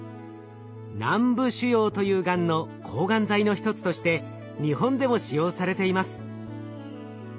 軟部腫瘍というがんの抗がん剤の一つとして日本でも使用されています。